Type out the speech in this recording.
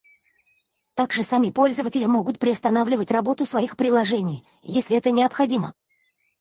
Также сами пользователи могут приостанавливать работу своих приложений, если это необходимо